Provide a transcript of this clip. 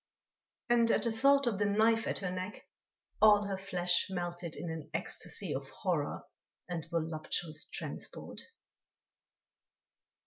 And, at the thought of the knife at her neck, all her flesh melted in an ecstasy of horror and voluptuous transport.